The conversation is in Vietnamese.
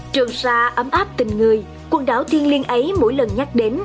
trường sa ấm áp tình người quần đảo thiên liên ấy mỗi lần nhắc đến